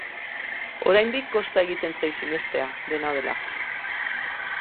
Oraindik kosta egingo zait sinestea, dena dela.